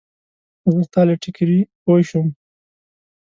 زه ستا له ټیکري پوی شوم.